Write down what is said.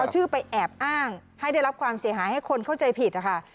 เอาชื่อไปแอบอ้างให้ได้รับความเสียหายให้คนเข้าใจผิดนะคะ